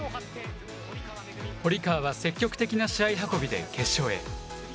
堀川は積極的な試合運びで決勝へ。